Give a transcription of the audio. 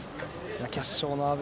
決勝の阿部。